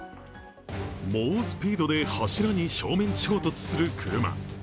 猛スピードで柱に正面衝突する車。